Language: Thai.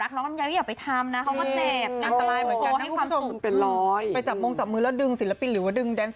แต่ถ้าแฟนคลัพพ์รักน้องเยอะ